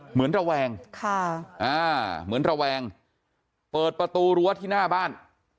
เหมือนระแวงเหมือนระแวงเปิดประตูรั้วที่หน้าบ้าน